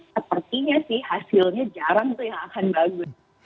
sepertinya sih hasilnya jarang tuh yang akan bagus